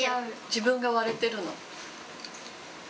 自分が割れてるの？